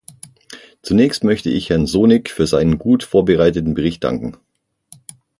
Zunächst möchte ich Herrn Sonik für seinen gut vorbereiteten Bericht danken.